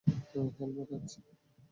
Helmet, আচ্ছা।